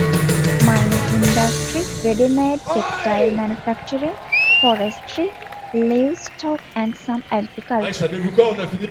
Mining industry, ready-made textile manufacturing, forestry, livestock and some agriculture.